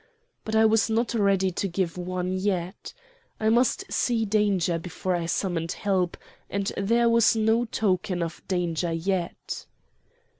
But I was not ready to give one yet. I must see danger before I summoned help, and there was no token of danger yet.